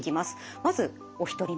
まずお一人目。